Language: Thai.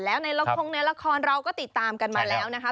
แล้วในละครในละครเราก็ติดตามกันมาแล้วนะคะ